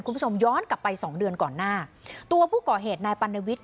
คุณผู้ชมย้อนกลับไปสองเดือนก่อนหน้าตัวผู้ก่อเหตุนายปัณวิทย